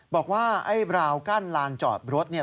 บอกว่าไอ้ราวกั้นลานจอดรถเนี่ย